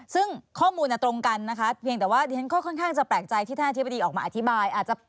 ซึ่งข้อมูลตรงกันนะคะเพียงแต่ว่าดิฉันก็ค่อนข้างจะแปลกใจที่ท่านอธิบดีออกมาอธิบายอาจจะ